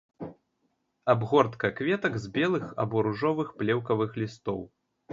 Абгортка кветак з белых або ружовых плеўкавых лістоў.